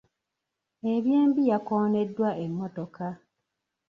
Eby'embi yakooneddwa emmotoka.